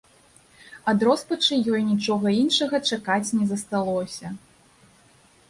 Ад роспачы ёй нічога іншага чакаць не засталося.